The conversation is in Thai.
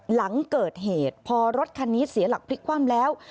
หลังเกิดเหตุพอรถคันนี้เสียหลักพลิกคว่ำแล้ว